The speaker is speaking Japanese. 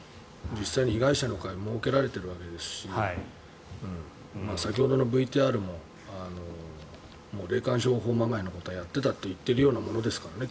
実際に、被害者の会が設けられているわけですし先ほどのＶＴＲも霊感商法まがいのことはやっていたと言っているようなものですからね